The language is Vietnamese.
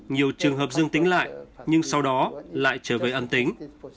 nhiều trường hợp dương tính lại nhưng sau đó lại trở về ân tính